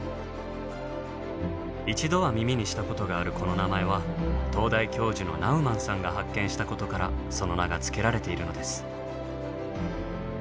一度は耳にしたことがあるこの名前は東大教授のナウマンさんが発見したことからその名がつけられているのです。